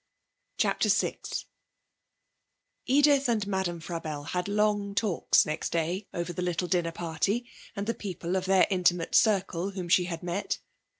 CHAPTER VI Edith and Madame Frabelle had long talks next day over the little dinner party, and the people of their intimate circle whom she had met.